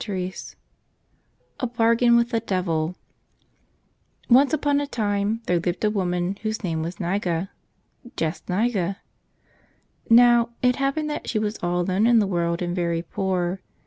148 ^' a 13argain SHitl) t be DetifI ONCE upon a time there lived a woman whose name was Niga — just Niga. Now, it hap¬ pened that she was all alone in the world and very poor.